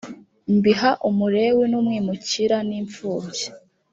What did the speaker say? mbiha umulewi n umwimukira n imfubyi